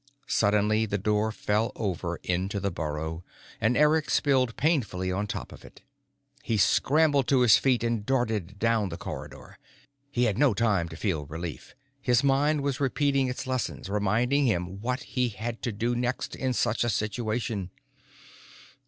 _ Suddenly, the door fell over into the burrow, and Eric spilled painfully on top of it. He scrambled to his feet and darted down the corridor. He had no time to feel relief. His mind was repeating its lessons, reminding him what he had to do next in such a situation.